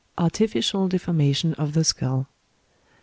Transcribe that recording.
ARTIFICIAL DEFORMATION OF THE SKULL.